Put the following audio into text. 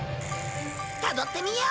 たどってみよう！